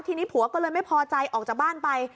ทีนี้ผัวก็เลยไม่พอใจออกจากบ้านไป